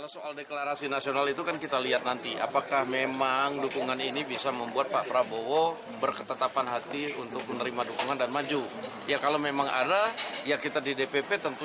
setelah pak prabowo mantan ya kita akan deklarasikan